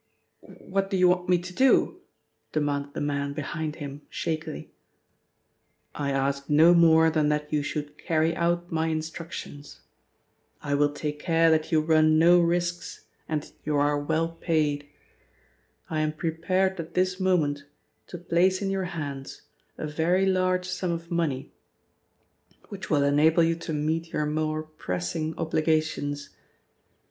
"What do you want me to do?" demanded the man behind him shakily. "I ask no more than that you should carry out my instructions. I will take care that you run no risks and that you are well paid. I am prepared at this moment to place in your hands a very large sum of money, which will enable you to meet your more pressing obligations.